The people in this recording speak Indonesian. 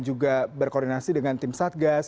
juga berkoordinasi dengan tim satgas